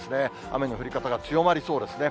雨の降り方が強まりそうですね。